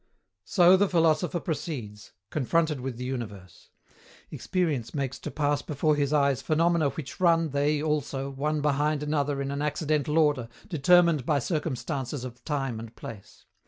So the philosopher proceeds, confronted with the universe. Experience makes to pass before his eyes phenomena which run, they also, one behind another in an accidental order determined by circumstances of time and place.